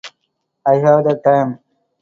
I have the time.